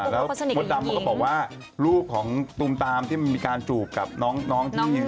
แล้วมดดำเขาก็บอกว่ารูปของตูมตามที่มันมีการจูบกับน้องที่